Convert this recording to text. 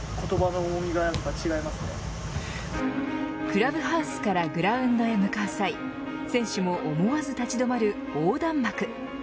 クラブハウスからグラウンドへ向かう際選手も思わず立ち止まる横断幕。